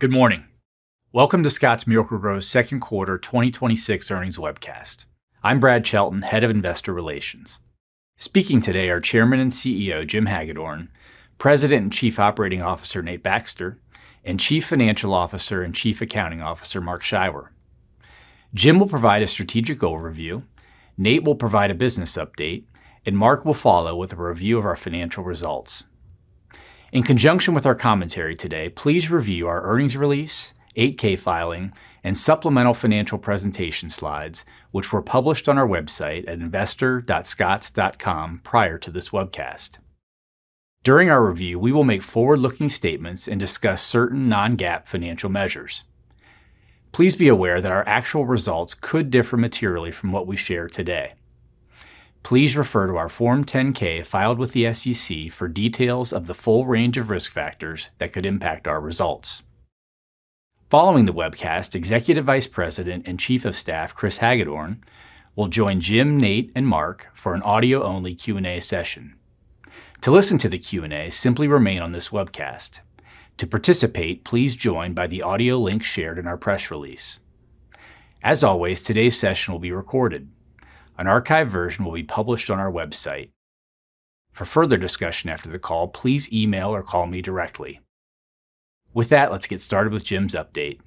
Good morning. Welcome to Scotts Miracle-Gro's second quarter 2026 Earnings Webcast. I'm Brad Chelton, Head of Investor Relations. Speaking today are Chairman and CEO, Jim Hagedorn, President and Chief Operating Officer, Nate Baxter, and Chief Financial Officer and Chief Accounting Officer, Mark Scheiwer. Jim will provide a strategic overview, Nate will provide a business update, and Mark will follow with a review of our financial results. In conjunction with our commentary today, please review our earnings release, 8-K filing, and supplemental financial presentation slides, which were published on our website at investor.scotts.com prior to this webcast. During our review, we will make forward-looking statements and discuss certain non-GAAP financial measures. Please be aware that our actual results could differ materially from what we share today. Please refer to our Form 10-K filed with the SEC for details of the full range of risk factors that could impact our results. Following the webcast, Executive Vice President and Chief of Staff, Chris Hagedorn, will join Jim, Nate, and Mark for an audio-only Q&A session. To listen to the Q&A, simply remain on this webcast. To participate, please join by the audio link shared in our press release. As always, today's session will be recorded. An archive version will be published on our website. For further discussion after the call, please email or call me directly. With that, let's get started with Jim's update.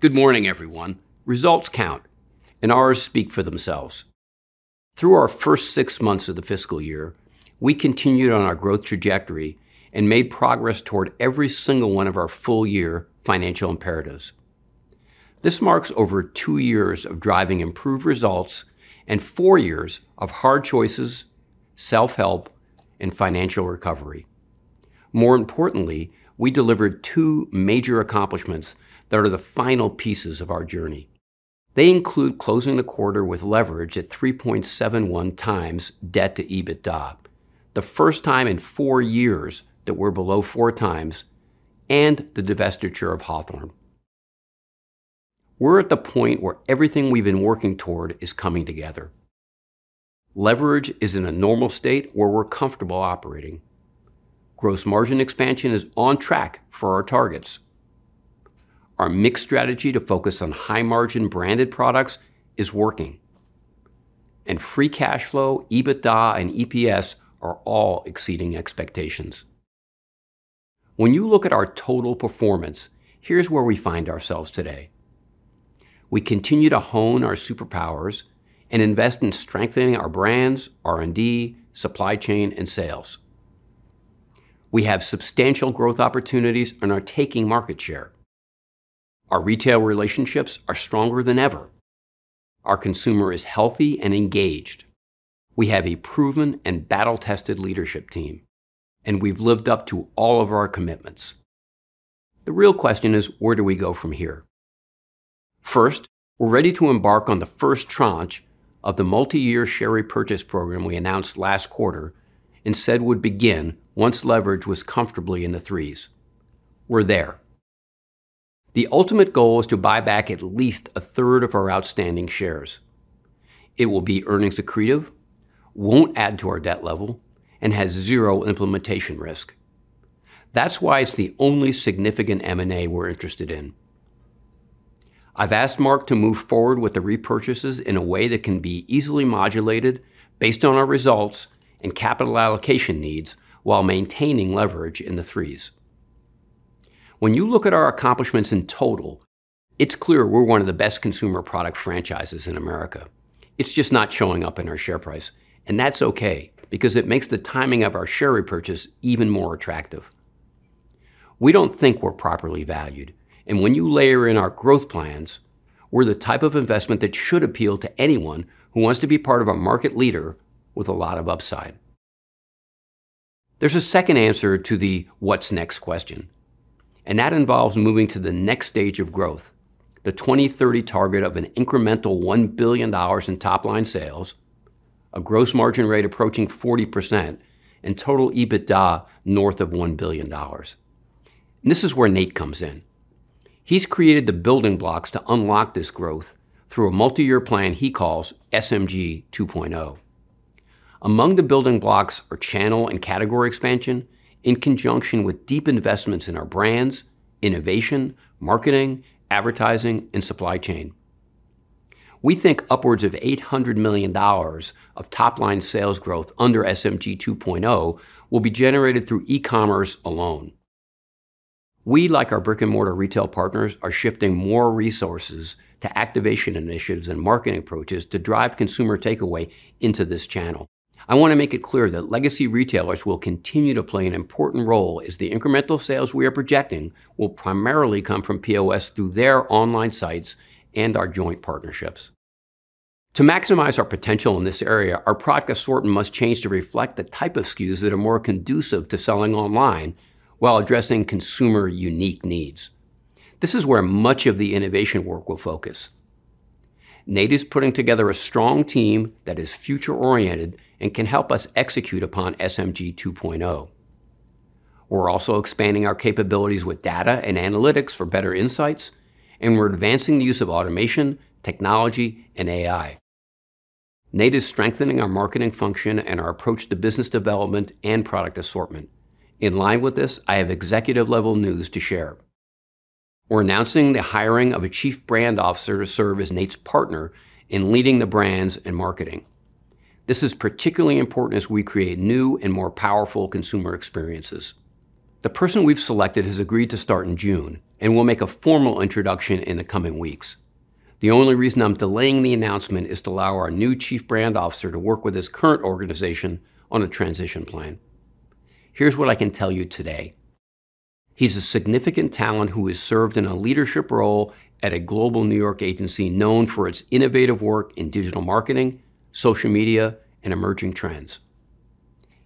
Good morning, everyone. Results count, and ours speak for themselves. Through our first six months of the fiscal year, we continued on our growth trajectory and made progress toward every single one of our full year financial imperatives. This marks over two years of driving improved results and four years of hard choices, self-help, and financial recovery. More importantly, we delivered two major accomplishments that are the final pieces of our journey. They include closing the quarter with leverage at 3.71x debt to EBITDA, the first time in four years that we're below four times, and the divestiture of Hawthorne. We're at the point where everything we've been working toward is coming together. Leverage is in a normal state where we're comfortable operating. Gross margin expansion is on track for our targets. Our mix strategy to focus on high-margin branded products is working. Free cash flow, EBITDA, and EPS are all exceeding expectations. When you look at our total performance, here's where we find ourselves today. We continue to hone our superpowers and invest in strengthening our brands, R&D, supply chain, and sales. We have substantial growth opportunities and are taking market share. Our retail relationships are stronger than ever. Our consumer is healthy and engaged. We have a proven and battle-tested leadership team, and we've lived up to all of our commitments. The real question is: Where do we go from here? First, we're ready to embark on the first tranche of the multi-year share repurchase program we announced last quarter and said would begin once leverage was comfortably in the threes. We're there. The ultimate goal is to buy back at least a third of our outstanding shares. It will be earnings accretive, won't add to our debt level, and has zero implementation risk. That's why it's the only significant M&A we're interested in. I've asked Mark to move forward with the repurchases in a way that can be easily modulated based on our results and capital allocation needs while maintaining leverage in the threes. When you look at our accomplishments in total, it's clear we're one of the best consumer product franchises in America. It's just not showing up in our share price, and that's okay because it makes the timing of our share repurchase even more attractive. We don't think we're properly valued, and when you layer in our growth plans, we're the type of investment that should appeal to anyone who wants to be part of a market leader with a lot of upside. There's a second answer to the what's next question, and that involves moving to the next stage of growth, the 2030 target of an incremental $1 billion in top-line sales, a gross margin rate approaching 40%, and total EBITDA north of $1 billion. This is where Nate comes in. He's created the building blocks to unlock this growth through a multi-year plan he calls SMG 2.0. Among the building blocks are channel and category expansion in conjunction with deep investments in our brands, innovation, marketing, advertising, and supply chain. We think upwards of $800 million of top-line sales growth under SMG 2.0 will be generated through e-commerce alone. We, like our brick-and-mortar retail partners, are shifting more resources to activation initiatives and marketing approaches to drive consumer takeaway into this channel. I wanna make it clear that legacy retailers will continue to play an important role as the incremental sales we are projecting will primarily come from POS through their online sites and our joint partnerships. To maximize our potential in this area, our product assortment must change to reflect the type of SKUs that are more conducive to selling online while addressing consumer unique needs. This is where much of the innovation work will focus. Nate is putting together a strong team that is future-oriented and can help us execute upon SMG 2.0. We're also expanding our capabilities with data and analytics for better insights, and we're advancing the use of automation, technology, and AI. Nate is strengthening our marketing function and our approach to business development and product assortment. In line with this, I have executive-level news to share. We're announcing the hiring of a chief brand officer to serve as Nate's partner in leading the brands and marketing. This is particularly important as we create new and more powerful consumer experiences. The person we've selected has agreed to start in June, and we'll make a formal introduction in the coming weeks. The only reason I'm delaying the announcement is to allow our new Chief Brand Officer to work with his current organization on a transition plan. Here's what I can tell you today. He's a significant talent who has served in a leadership role at a global New York agency known for its innovative work in digital marketing, social media, and emerging trends.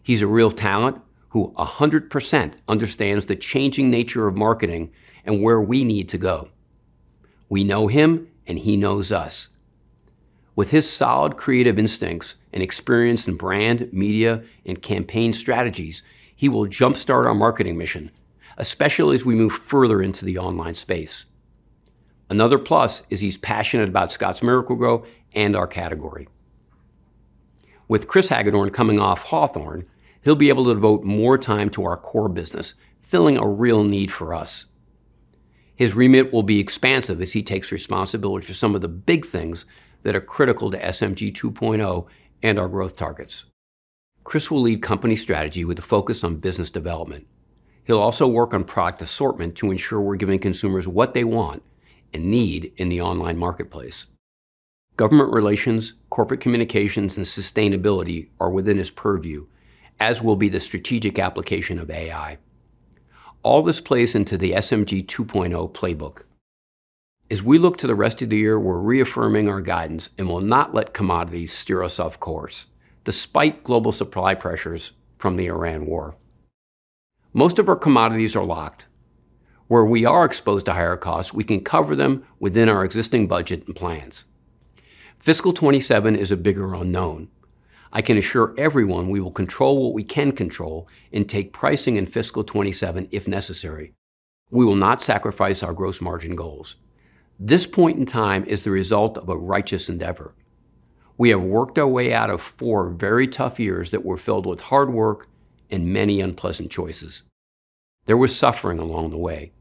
He's a real talent who 100% understands the changing nature of marketing and where we need to go. We know him, and he knows us. With his solid creative instincts and experience in brand, media, and campaign strategies, he will jumpstart our marketing mission, especially as we move further into the online space. Another plus is he's passionate about Scotts Miracle-Gro and our category. With Chris Hagedorn coming off Hawthorne, he'll be able to devote more time to our core business, filling a real need for us. His remit will be expansive as he takes responsibility for some of the big things that are critical to SMG 2.0 and our growth targets. Chris will lead company strategy with a focus on business development. He'll also work on product assortment to ensure we're giving consumers what they want and need in the online marketplace. Government relations, corporate communications, and sustainability are within his purview, as will be the strategic application of AI. All this plays into the SMG 2.0 playbook. As we look to the rest of the year, we're reaffirming our guidance and will not let commodities steer us off course despite global supply pressures from the Iran war. Most of our commodities are locked. Where we are exposed to higher costs, we can cover them within our existing budget and plans. Fiscal 27 is a bigger unknown. I can assure everyone we will control what we can control and take pricing in fiscal 27 if necessary. We will not sacrifice our gross margin goals. This point in time is the result of a righteous endeavor. We have worked our way out of four very tough years that were filled with hard work and many unpleasant choices. There was suffering along the way.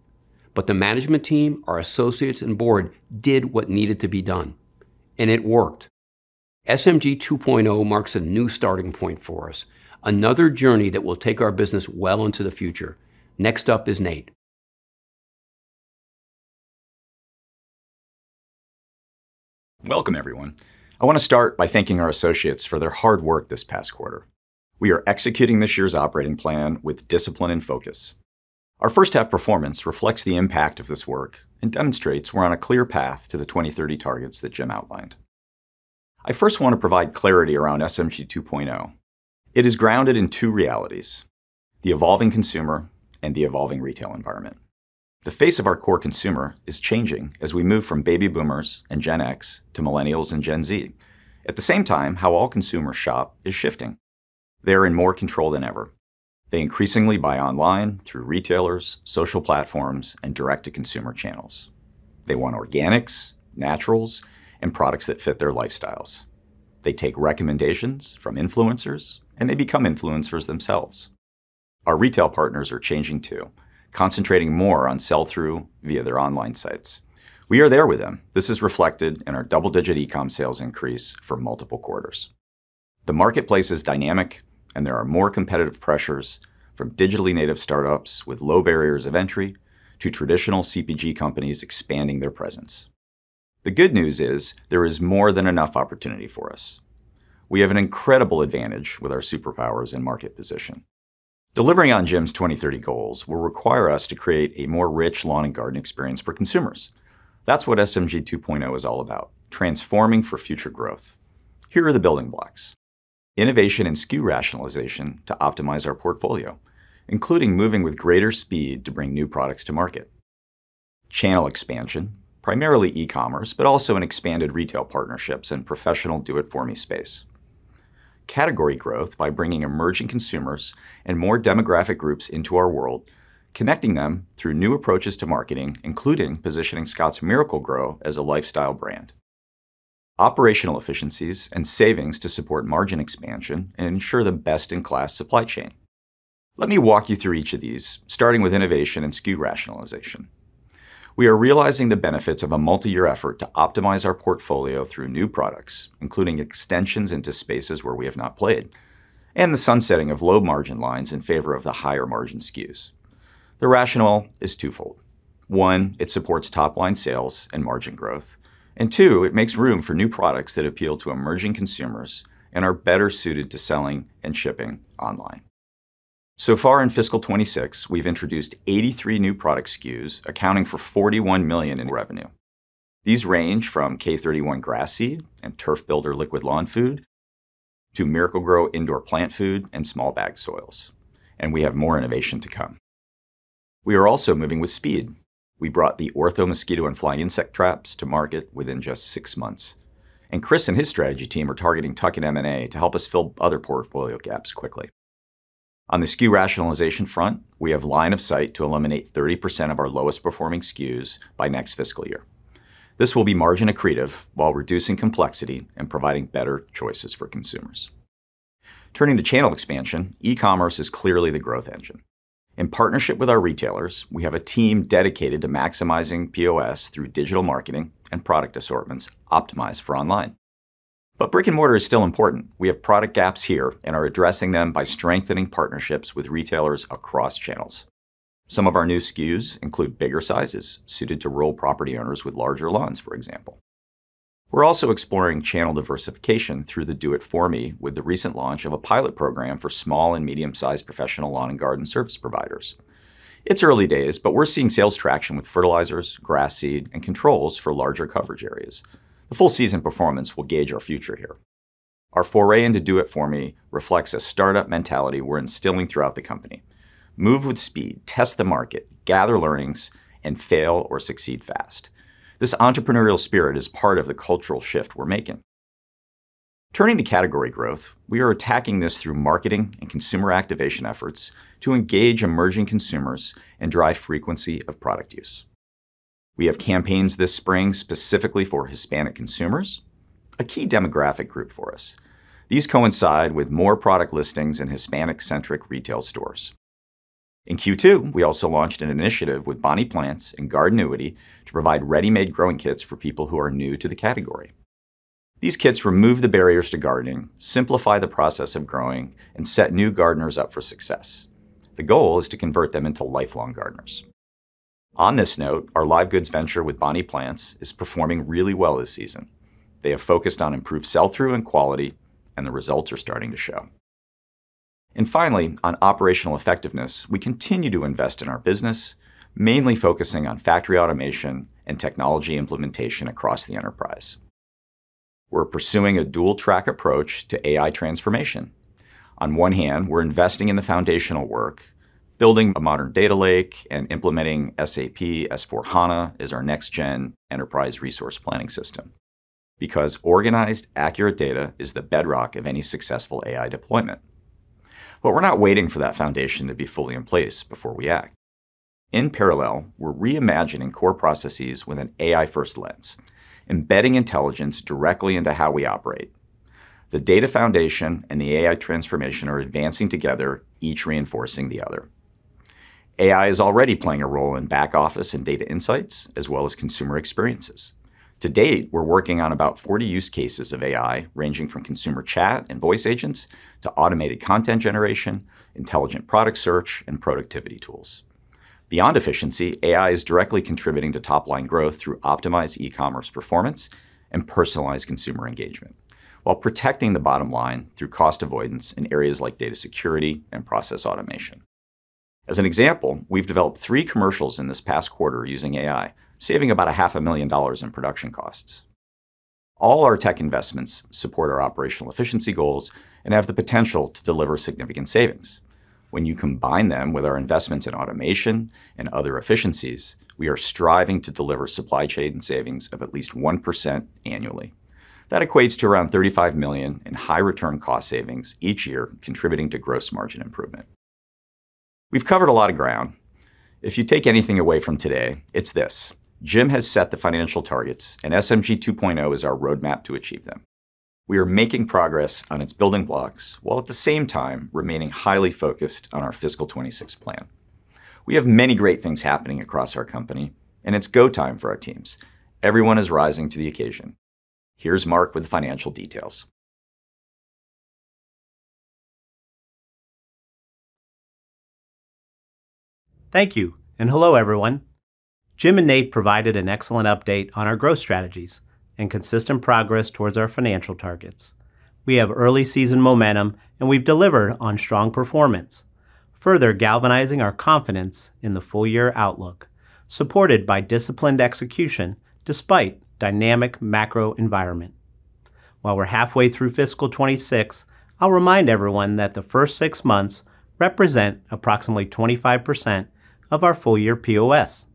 The management team, our associates, and board did what needed to be done, and it worked. SMG 2.0 marks a new starting point for us, another journey that will take our business well into the future. Next up is Nate. Welcome, everyone. I wanna start by thanking our associates for their hard work this past quarter. We are executing this year's operating plan with discipline and focus. Our first half performance reflects the impact of this work and demonstrates we're on a clear path to the 2030 targets that Jim outlined. I first wanna provide clarity around SMG 2.0. It is grounded in two realities: the evolving consumer and the evolving retail environment. The face of our core consumer is changing as we move from baby boomers and Gen X to millennials and Gen Z. At the same time, how all consumers shop is shifting. They're in more control than ever. They increasingly buy online through retailers, social platforms, and direct-to-consumer channels. They want organics, naturals, and products that fit their lifestyles. They take recommendations from influencers, and they become influencers themselves. Our retail partners are changing too, concentrating more on sell-through via their online sites. We are there with them. This is reflected in our double-digit e-com sales increase for multiple quarters. The marketplace is dynamic, and there are more competitive pressures from digitally native startups with low barriers of entry to traditional CPG companies expanding their presence. The good news is there is more than enough opportunity for us. We have an incredible advantage with our superpowers and market position. Delivering on Jim's 2030 goals will require us to create a more rich lawn and garden experience for consumers. That's what SMG 2.0 is all about, transforming for future growth. Here are the building blocks: innovation and SKU rationalization to optimize our portfolio, including moving with greater speed to bring new products to market. Channel expansion, primarily e-commerce, but also in expanded retail partnerships and professional Do It For Me space. Category growth by bringing emerging consumers and more demographic groups into our world, connecting them through new approaches to marketing, including positioning Scotts Miracle-Gro as a lifestyle brand. Operational efficiencies and savings to support margin expansion and ensure the best in class supply chain. Let me walk you through each of these, starting with innovation and SKU rationalization. We are realizing the benefits of a multiyear effort to optimize our portfolio through new products, including extensions into spaces where we have not played, and the sunsetting of low margin lines in favor of the higher margin SKUs. The rationale is twofold. One, it supports top line sales and margin growth. Two, it makes room for new products that appeal to emerging consumers and are better suited to selling and shipping online. Far in fiscal 2026, we've introduced 83 new product SKUs accounting for $41 million in revenue. These range from Kentucky 31 Grass Seed and Turf Builder Liquid Lawn Food to Miracle-Gro Indoor Plant Food and small bag soils, and we have more innovation to come. We are also moving with speed. We brought the Ortho mosquito and fly insect traps to market within just six months. Chris and his strategy team are targeting tuck-in M&A to help us fill other portfolio gaps quickly. On the SKU rationalization front, we have line of sight to eliminate 30% of our lowest performing SKUs by next fiscal year. This will be margin accretive while reducing complexity and providing better choices for consumers. Turning to channel expansion, e-commerce is clearly the growth engine. In partnership with our retailers, we have a team dedicated to maximizing POS through digital marketing and product assortments optimized for online. Brick and mortar is still important. We have product gaps here and are addressing them by strengthening partnerships with retailers across channels. Some of our new SKUs include bigger sizes suited to rural property owners with larger lawns, for example. We're also exploring channel diversification through the Do It For Me with the recent launch of a pilot program for small and medium-sized professional lawn and garden service providers. It's early days, we're seeing sales traction with fertilizers, grass seed, and controls for larger coverage areas. The full season performance will gauge our future here. Our foray into Do It For Me reflects a startup mentality we're instilling throughout the company. Move with speed, test the market, gather learnings, and fail or succeed fast. This entrepreneurial spirit is part of the cultural shift we're making. Turning to category growth, we are attacking this through marketing and consumer activation efforts to engage emerging consumers and drive frequency of product use. We have campaigns this spring specifically for Hispanic consumers, a key demographic group for us. These coincide with more product listings in Hispanic-centric retail stores. In Q2, we also launched an initiative with Bonnie Plants and Gardenuity to provide ready-made growing kits for people who are new to the category. These kits remove the barriers to gardening, simplify the process of growing, and set new gardeners up for success. The goal is to convert them into lifelong gardeners. On this note, our live goods venture with Bonnie Plants is performing really well this season. They have focused on improved sell-through and quality, and the results are starting to show. Finally, on operational effectiveness, we continue to invest in our business, mainly focusing on factory automation and technology implementation across the enterprise. We're pursuing a dual track approach to AI transformation. On one hand, we're investing in the foundational work, building a modern data lake and implementing SAP S/4HANA as our next gen enterprise resource planning system. Organized, accurate data is the bedrock of any successful AI deployment. We're not waiting for that foundation to be fully in place before we act. In parallel, we're reimagining core processes with an AI first lens, embedding intelligence directly into how we operate. The data foundation and the AI transformation are advancing together, each reinforcing the other. AI is already playing a role in back office and data insights, as well as consumer experiences. To date, we're working on about 40 use cases of AI ranging from consumer chat and voice agents to automated content generation, intelligent product search, and productivity tools. Beyond efficiency, AI is directly contributing to top-line growth through optimized e-commerce performance and personalized consumer engagement while protecting the bottom line through cost avoidance in areas like data security and process automation. As an example, we've developed three commercials in this past quarter using AI, saving about a half a million dollars in production costs. All our tech investments support our operational efficiency goals and have the potential to deliver significant savings. When you combine them with our investments in automation and other efficiencies, we are striving to deliver supply chain savings of at least 1% annually. That equates to around $35 million in high return cost savings each year contributing to gross margin improvement. We've covered a lot of ground. If you take anything away from today, it's this: Jim has set the financial targets, and SMG 2.0 is our roadmap to achieve them. We are making progress on its building blocks while at the same time remaining highly focused on our fiscal 2026 plan. We have many great things happening across our company, and it's go time for our teams. Everyone is rising to the occasion. Here's Mark with the financial details. Thank you, and hello, everyone. Jim and Nate provided an excellent update on our growth strategies and consistent progress towards our financial targets. We have early season momentum, and we've delivered on strong performance, further galvanizing our confidence in the full year outlook, supported by disciplined execution despite dynamic macro environment. While we're halfway through fiscal 2026, I'll remind everyone that the first six months represent approximately 25% of our full year POS.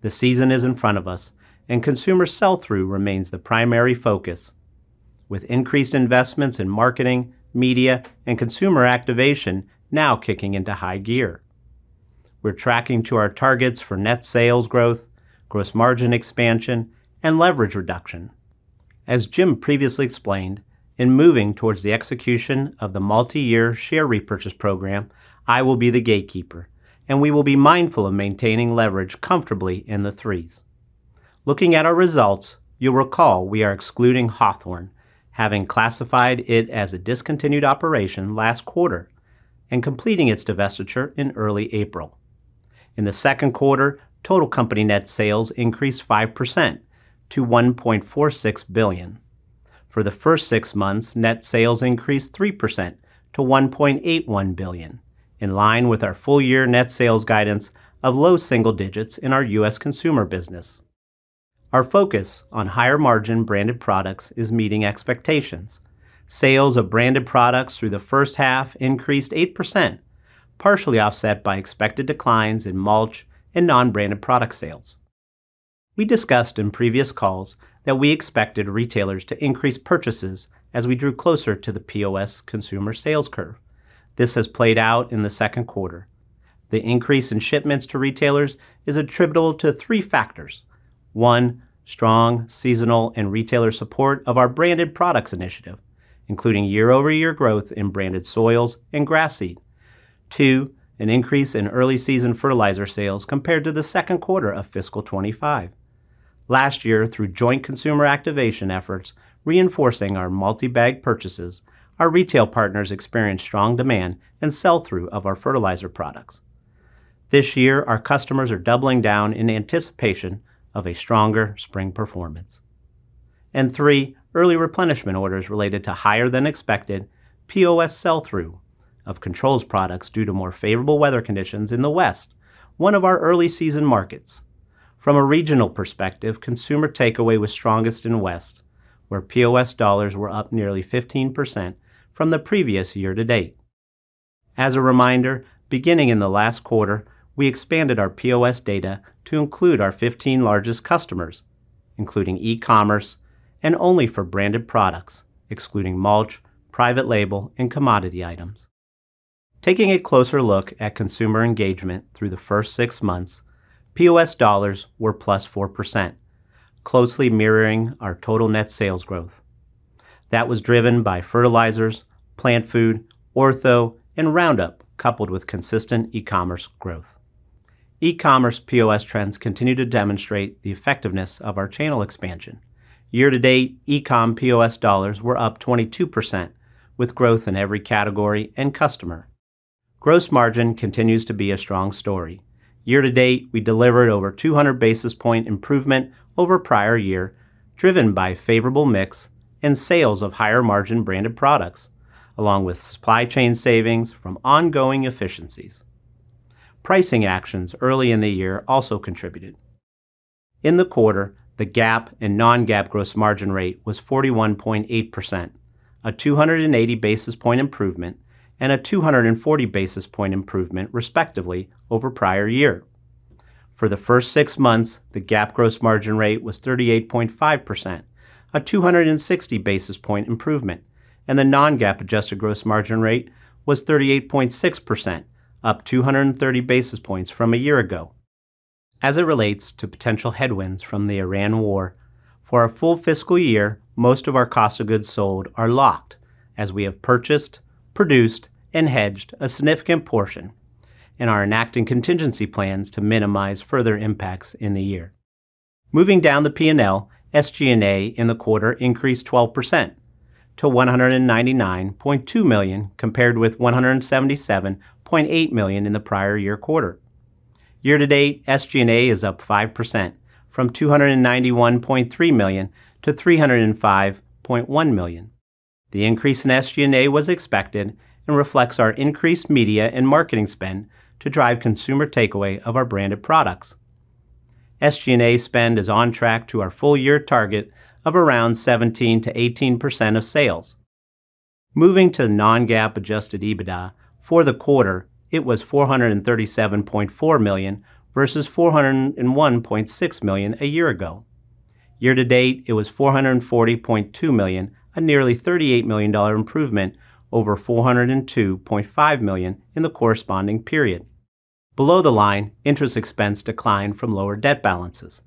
The season is in front of us, and consumer sell-through remains the primary focus with increased investments in marketing, media, and consumer activation now kicking into high gear. We're tracking to our targets for net sales growth, gross margin expansion, and leverage reduction. As Jim previously explained, in moving towards the execution of the multi-year share repurchase program, I will be the gatekeeper, and we will be mindful of maintaining leverage comfortably in the threes. Looking at our results, you'll recall we are excluding Hawthorne, having classified it as a discontinued operation last quarter and completing its divestiture in early April. In the second quarter, total company net sales increased 5% to $1.46 billion. For the first six months, net sales increased 3% to $1.81 billion, in line with our full year net sales guidance of low single digits in our U.S. consumer business. Our focus on higher margin branded products is meeting expectations. Sales of branded products through the first half increased 8%, partially offset by expected declines in mulch and non-branded product sales. We discussed in previous calls that we expected retailers to increase purchases as we drew closer to the POS consumer sales curve. This has played out in the second quarter. The increase in shipments to retailers is attributable to three factors. One, strong seasonal and retailer support of our branded products initiative, including year-over-year growth in branded soils and grass seed. Two, an increase in early season fertilizer sales compared to the second quarter of fiscal 2025. Last year, through joint consumer activation efforts reinforcing our multi-bag purchases, our retail partners experienced strong demand and sell-through of our fertilizer products. This year, our customers are doubling down in anticipation of a stronger spring performance. Three, early replenishment orders related to higher than expected POS sell-through of controls products due to more favorable weather conditions in the West, one of our early season markets. From a regional perspective, consumer takeaway was strongest in West, where POS dollars were up nearly 15% from the previous year-to-date. As a reminder, beginning in the last quarter, we expanded our POS data to include our 15 largest customers, including e-commerce and only for branded products, excluding mulch, private label, and commodity items. Taking a closer look at consumer engagement through the first six months, POS dollars were +4%, closely mirroring our total net sales growth. That was driven by fertilizers, plant food, Ortho, and Roundup, coupled with consistent e-commerce growth. E-commerce POS trends continue to demonstrate the effectiveness of our channel expansion. Year to date, e-com POS $ were up 22%, with growth in every category and customer. Gross margin continues to be a strong story. Year to date, we delivered over 200 basis point improvement over prior year, driven by favorable mix and sales of higher margin branded products, along with supply chain savings from ongoing efficiencies. Pricing actions early in the year also contributed. In the quarter, the GAAP and non-GAAP gross margin rate was 41.8%, a 280 basis point improvement, and a 240 basis point improvement, respectively, over prior year. For the first six months, the GAAP gross margin rate was 38.5%, a 260 basis point improvement, and the non-GAAP adjusted gross margin rate was 38.6%, up 230 basis points from a year ago. As it relates to potential headwinds from the Iran war, for our full fiscal year, most of our cost of goods sold are locked as we have purchased, produced, and hedged a significant portion and are enacting contingency plans to minimize further impacts in the year. Moving down the P&L, SG&A in the quarter increased 12% to $199.2 million, compared with $177.8 million in the prior year quarter. Year-to-date, SG&A is up 5% from $291.3 million to $305.1 million. The increase in SG&A was expected and reflects our increased media and marketing spend to drive consumer takeaway of our branded products. SG&A spend is on track to our full year target of around 17%-18% of sales. Moving to the non-GAAP adjusted EBITDA, for the quarter, it was $437.4 million versus $401.6 million a year ago. Year to date, it was $440.2 million, a nearly $38 million improvement over $402.5 million in the corresponding period. Below the line, interest expense declined from lower debt balances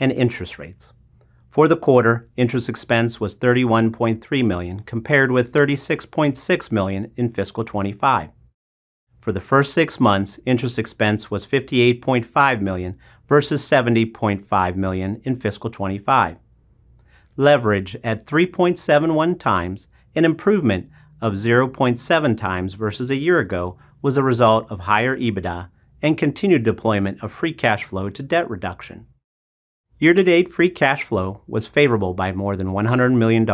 and interest rates. For the quarter, interest expense was $31.3 million, compared with $36.6 million in fiscal 2025. For the first six months, interest expense was $58.5 million versus $70.5 million in fiscal 2025. Leverage at 3.71x, an improvement of 0.7x versus a year ago, was a result of higher EBITDA and continued deployment of free cash flow to debt reduction. Year-to-date, free cash flow was favorable by more than $100 million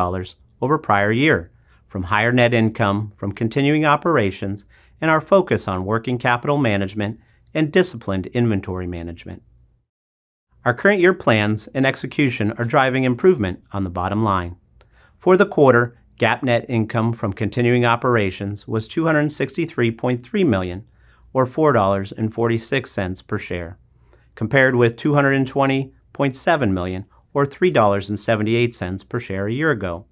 over prior year from higher net income from continuing operations and our focus on working capital management and disciplined inventory management. Our current year plans and execution are driving improvement on the bottom line. For the quarter, GAAP net income from continuing operations was $263.3 million, or $4.46 per share, compared with $220.7 million, or $3.78 per share a year ago.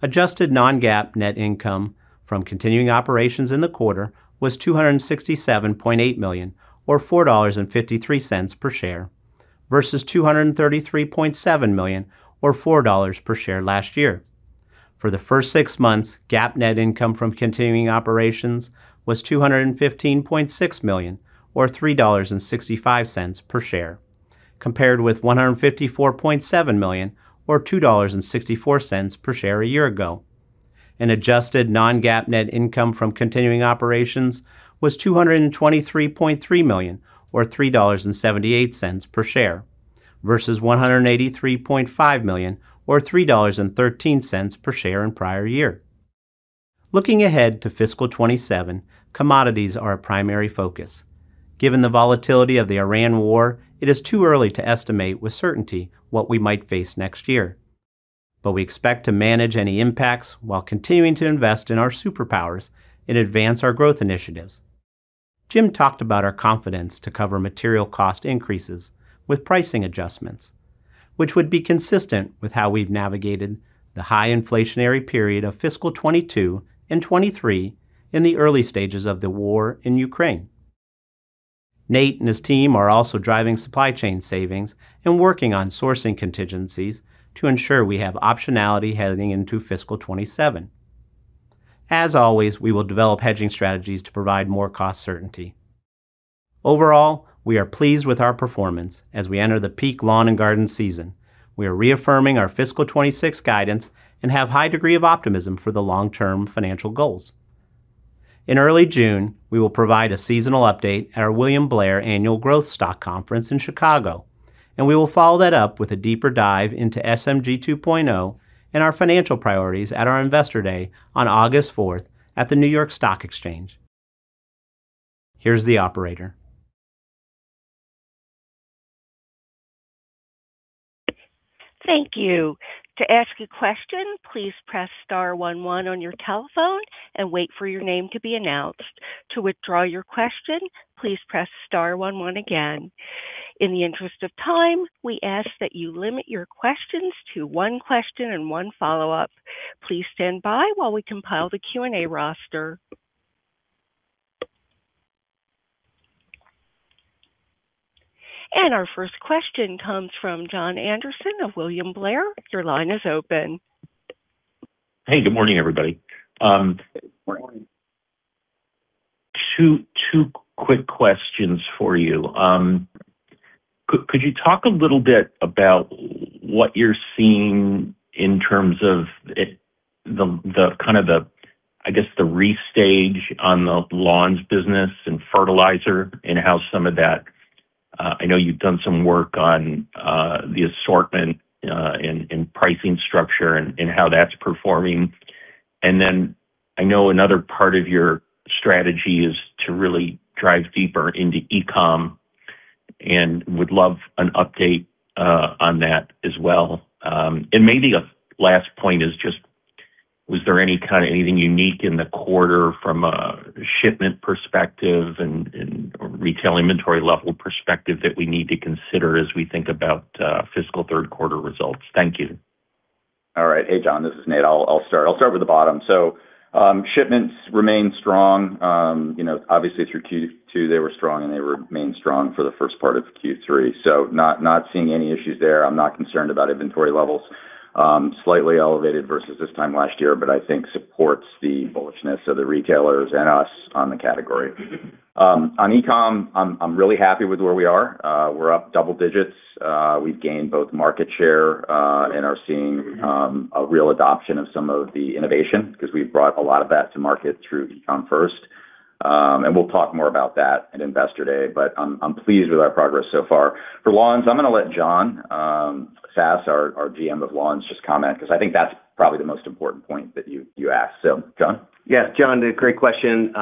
Adjusted non-GAAP net income from continuing operations in the quarter was $267.8 million, or $4.53 per share, versus $233.7 million, or $4.00 per share last year. For the first six months, GAAP net income from continuing operations was $215.6 million, or $3.65 per share, compared with $154.7 million, or $2.64 per share a year ago. Adjusted non-GAAP net income from continuing operations was $223.3 million, or $3.78 per share, versus $183.5 million, or $3.13 per share in prior year. Looking ahead to fiscal 2027, commodities are a primary focus. Given the volatility of the Iran war, it is too early to estimate with certainty what we might face next year. We expect to manage any impacts while continuing to invest in our superpowers and advance our growth initiatives. Jim talked about our confidence to cover material cost increases with pricing adjustments, which would be consistent with how we've navigated the high inflationary period of fiscal 2022 and 2023 in the early stages of the war in Ukraine. Nate and his team are also driving supply chain savings and working on sourcing contingencies to ensure we have optionality heading into fiscal 2027. As always, we will develop hedging strategies to provide more cost certainty. Overall, we are pleased with our performance as we enter the peak lawn and garden season. We are reaffirming our fiscal 2026 guidance and have high degree of optimism for the long-term financial goals. In early June, we will provide a seasonal update at our William Blair Annual Growth Stock Conference in Chicago, and we will follow that up with a deeper dive into SMG 2.0 and our financial priorities at our Investor Day on August 4th at the New York Stock Exchange. Here's the operator. Thank you. To ask your questions please press star one one on your telephone and wait for your name to be announced, to withdraw your question please press star one one again. In the interest of time we ask that you limit your question to one question and one follow up. please stand by while we compile the Q&A roaster. Our first question comes from Jon Andersen of William Blair. Your line is open. Hey, good morning, everybody. Good morning. Two quick questions for you. Could you talk a little bit about what you're seeing in terms of the kind of the, I guess, the restage on the Lawns business and fertilizer and how some of that, I know you've done some work on the assortment and pricing structure and how that's performing. I know another part of your strategy is to really drive deeper into e-com and would love an update on that as well. Maybe a last point is just was there any kind of anything unique in the quarter from a shipment perspective and retail inventory level perspective that we need to consider as we think about fiscal third quarter results? Thank you. All right. Hey, Jon, this is Nate Baxter. I'll start. I'll start with the bottom. Shipments remain strong. You know, obviously through Q2 they were strong, and they remain strong for the first part of Q3. Not seeing any issues there. I'm not concerned about inventory levels. Slightly elevated versus this time last year, I think supports the bullishness of the retailers and us on the category. On e-com, I'm really happy with where we are. We're up double digits. We've gained both market share and are seeing a real adoption of some of the innovation because we've brought a lot of that to market through e-com first. We'll talk more about that at Investor Day, I'm pleased with our progress so far. For lawns, I'm gonna let John Sass, our GM of Lawns, just comment because I think that's probably the most important point that you asked. John? Jon, great question.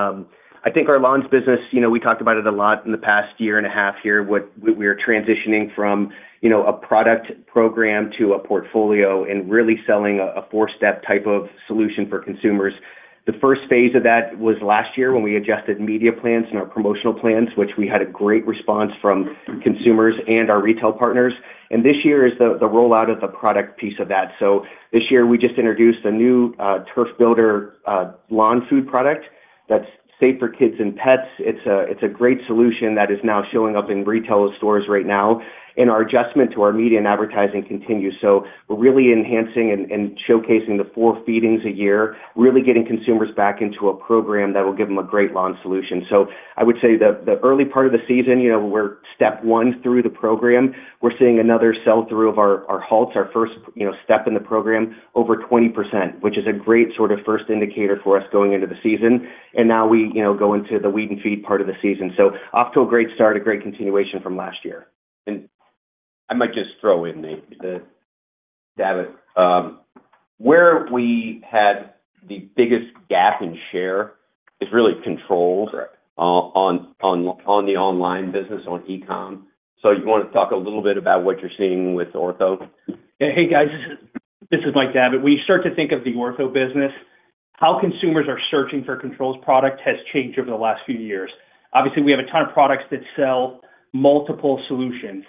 I think our lawns business, you know, we talked about it a lot in the past year and a half here, what we're transitioning from, you know, a product program to a portfolio and really selling a four step type of solution for consumers. The first phase of that was last year when we adjusted media plans and our promotional plans, which we had a great response from consumers and our retail partners. This year is the rollout of the product piece of that. This year we just introduced a new Turf Builder lawn food product that's safe for kids and pets. It's a great solution that is now showing up in retail stores right now. Our adjustment to our media and advertising continues. We're really enhancing and showcasing the four feedings a year, really getting consumers back into a program that will give them a great lawn solution. I would say the early part of the season, you know, we're step 1 through the program. We're seeing another sell-through of our Halts, our first, you know, step in the program over 20%, which is a great sort of first indicator for us going into the season. Now we, you know, go into the weed and feed part of the season. Off to a great start, a great continuation from last year. I might just throw in, Nate, Mike Davitt, where we had the biggest gap in share is really controls- Correct On the online business, on e-com, you wanna talk a little bit about what you're seeing with Ortho? Hey, guys. This is Mike Davitt. When you start to think of the Ortho business, how consumers are searching for controls product has changed over the last few years. Obviously, we have a ton of products that sell multiple solutions.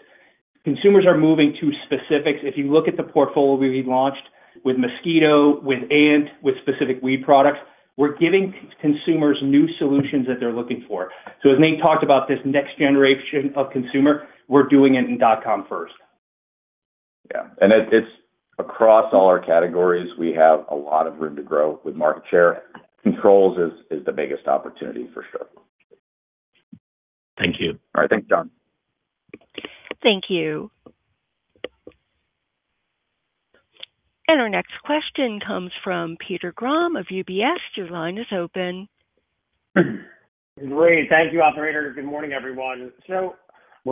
Consumers are moving to specifics. If you look at the portfolio we've launched with mosquito, with ant, with specific weed products, we're giving consumers new solutions that they're looking for. As Nate talked about this next generation of consumer, we're doing it in dot com first. Yeah. It's across all our categories, we have a lot of room to grow with market share. Controls is the biggest opportunity for sure. Thank you. All right. Thanks, Jon. Thank you. Our next question comes from Peter Grom of UBS. Your line is open. Great. Thank you, Operator. Good morning, everyone. I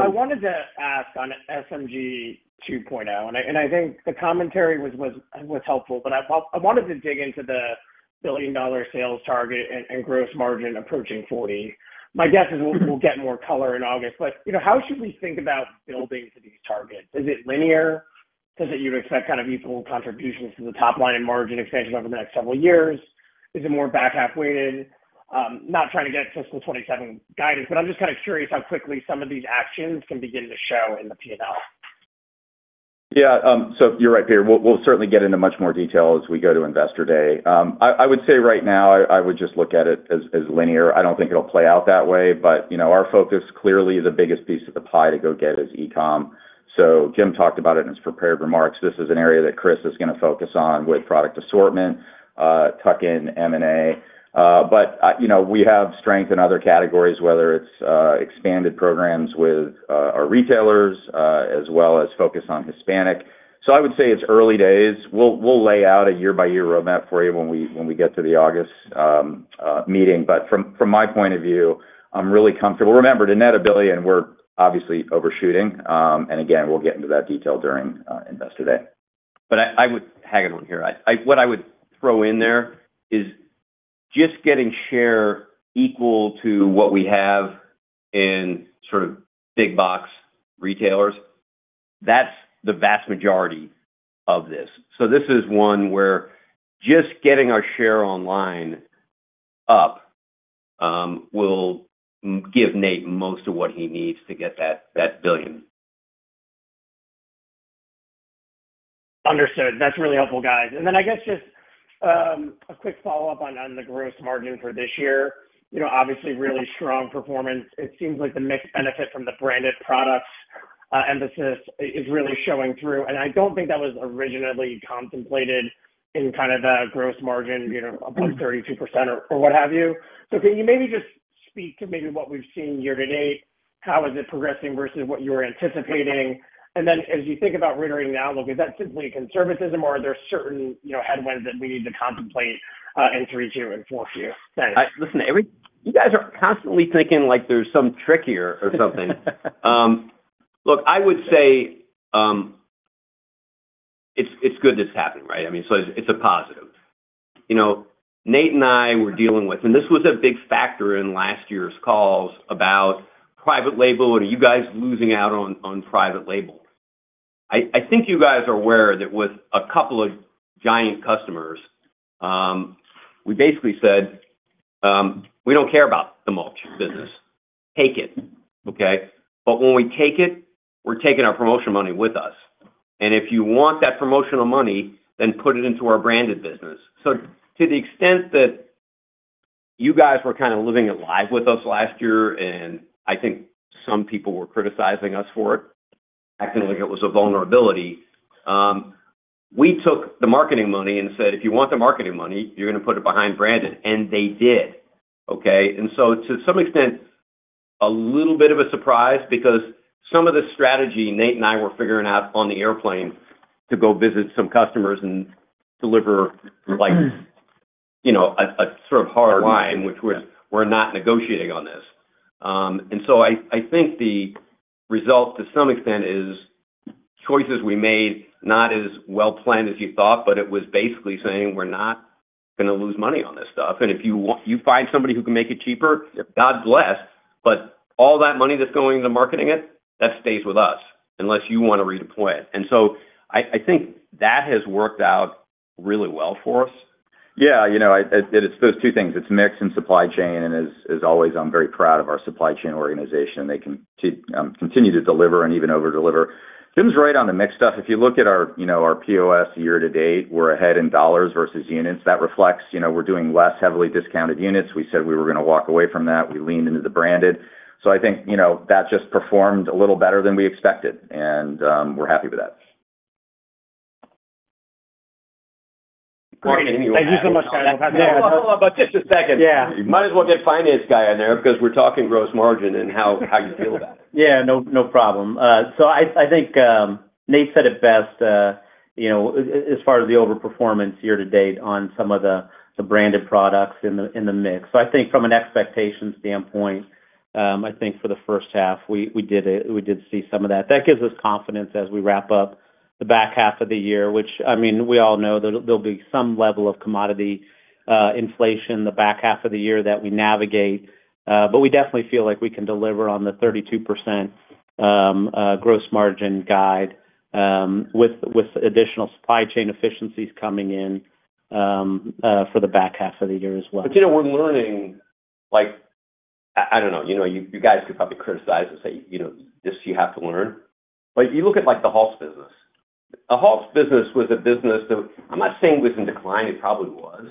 wanted to ask on SMG 2.0, and I think the commentary was helpful, but I thought I wanted to dig into the billion-dollar sales target and gross margin approaching 40. My guess is we'll get more color in August, but, you know, how should we think about building to these targets? Is it linear? Is it you'd expect kind of equal contributions to the top line and margin expansion over the next several years? Is it more back half-weighted? Not trying to get fiscal 2027 guidance, but I'm just kind of curious how quickly some of these actions can begin to show in the P&L. Yeah. You're right, Peter. We'll certainly get into much more detail as we go to Investor Day. I would say right now I would just look at it as linear. I don't think it'll play out that way. You know, our focus clearly the biggest piece of the pie to go get is e-com. Jim talked about it in his prepared remarks. This is an area that Chris is gonna focus on with product assortment, tuck in M&A. You know, we have strength in other categories, whether it's expanded programs with our retailers, as well as focus on Hispanic. I would say it's early days. We'll lay out a year-by-year roadmap for you when we get to the August meeting. From my point of view, I'm really comfortable. Remember, to net $1 billion, we're obviously overshooting. Again, we'll get into that detail during Investor Day. I would hang on here. What I would throw in there is just getting share equal to what we have in sort of big box retailers, that's the vast majority of this. This is one where just getting our share online up, will give Nate most of what he needs to get that $1 billion. Understood. That's really helpful, guys. I guess just a quick follow-up on the gross margin for this year. You know, obviously really strong performance. It seems like the mixed benefit from the branded products emphasis is really showing through, and I don't think that was originally contemplated in kind of the gross margin, you know, above 32% or what have you. Can you maybe just speak to maybe what we've seen year-to-date? How is it progressing versus what you were anticipating? As you think about reiterating now, look, is that simply conservatism or are there certain, you know, headwinds that we need to contemplate in Q3 and Q4? Thanks. Listen, you guys are constantly thinking like there's some trick here or something. Look, I would say, it's good this happened, right? I mean, it's a positive. You know, Nate and I were dealing with this was a big factor in last year's calls about private label and are you guys losing out on private label. I think you guys are aware that with a couple of giant customers, we basically said, We don't care about the mulch business. Take it, okay? When we take it, we're taking our promotional money with us. If you want that promotional money, then put it into our branded business. To the extent that you guys were kind of living it live with us last year, and I think some people were criticizing us for it, acting like it was a vulnerability, we took the marketing money and said, If you want the marketing money, you're gonna put it behind branded. They did, okay. To some extent, a little bit of a surprise because some of the strategy Nate and I were figuring out on the airplane to go visit some customers and deliver like, you know, a sort of hard line in which we're not negotiating on this. I think the result to some extent is choices we made not as well planned as you thought, but it was basically saying, We're not gonna lose money on this stuff. If you find somebody who can make it cheaper, God bless, but all that money that's going into marketing it, that stays with us unless you wanna redeploy it. I think that has worked out really well for us. Yeah. You know, it's those two things. It's mix and supply chain. As always, I'm very proud of our supply chain organization. They continue to deliver and even over-deliver. Jim's right on the mix stuff. If you look at our, you know, our POS year to date, we're ahead in dollars versus units. That reflects, you know, we're doing less heavily discounted units. We said we were gonna walk away from that. We leaned into the branded. I think, you know, that just performed a little better than we expected and we're happy with that. Great. Thank you so much, guys. Hold on. Just a second. Yeah. You might as well get finance guy in there because we're talking gross margin and how you feel about it. Yeah, no problem. I think Nate said it best, you know, as far as the overperformance year to date on some of the branded products in the mix. I think from an expectation standpoint, I think for the first half, we did it. We did see some of that. That gives us confidence as we wrap up the back half of the year, which, I mean, we all know there'll be some level of commodity inflation the back half of the year that we navigate. We definitely feel like we can deliver on the 32% gross margin guide with additional supply chain efficiencies coming in for the back half of the year as well. You know, we're learning, like, I don't know, you know, you guys could probably criticize and say, you know, This you have to learn. If you look at, like, the Halts business. The Halts business was a business that I'm not saying it was in decline, it probably was,